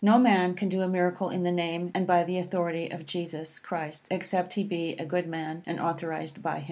No man can do a miracle in the name and by the authority of Jesus Christ, except he be a good man, and authorized by him.